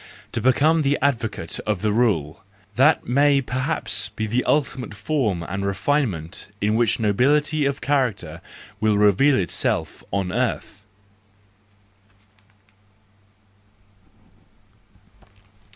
To become the advocate of the rule—that may perhaps be the ultimate form and refinement in which nobility of character will reveal itself on earth.